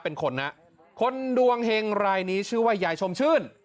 เป็นคนนะคนดวงเฮงรายนี้ชื่อว่ายายชมชื่น